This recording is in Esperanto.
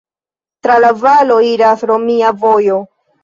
Tra la valo iras romia vojo.